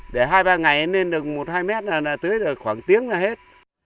để hai ba ngày nên được một hai mét là tưới khoảng tiếng là hết